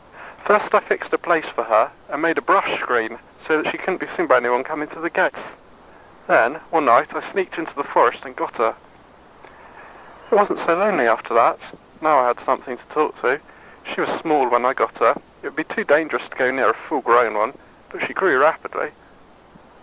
First I fixed a place for her, and made a brush screen, so that she couldn't be seen by anyone coming to the gates. Then, one night, I sneaked into the forest and got her. It wasn't so lonely after that. Now I had something to talk to. She was small when I got her it would be too dangerous to go near a full grown one but she grew rapidly.